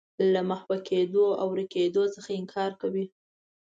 له محوه کېدو او ورکېدو څخه انکار کوي.